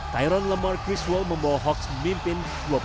tyrone lamar criswell membawa hawks memimpin dua puluh sembilan dua puluh lima